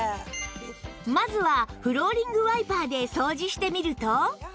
まずはフローリングワイパーで掃除してみると